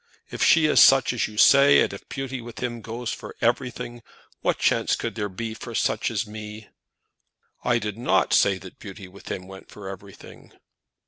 If she is such as you say, and if beauty with him goes for everything, what chance could there be for such as me?" "I did not say that beauty with him went for everything."